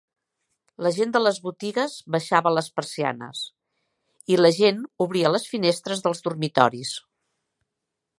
La gent de les botigues baixava les persianes i la gent obria les finestres dels dormitoris.